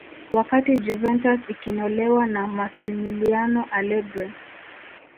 wakati juventus ikinolewa na masimiliano alegri